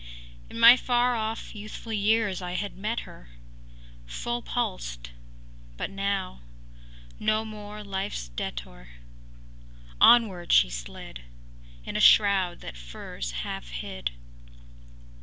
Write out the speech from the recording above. In my far off youthful years I had met her, Full pulsed; but now, no more life’s debtor, Onward she slid In a shroud that furs half hid.